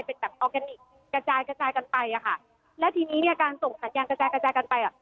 เป็นแบบออร์แกนิคกระจายกระจายกันไปอ่ะค่ะแล้วทีนี้เนี่ยการส่งสัญญาณกระจายกระจายกันไปอ่ะ